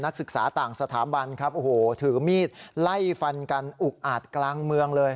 ศึกษาต่างสถาบันครับโอ้โหถือมีดไล่ฟันกันอุกอาจกลางเมืองเลย